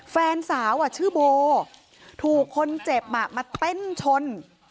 แฟนสาวชื่อโบถูกคนเจ็บมาเต้นชน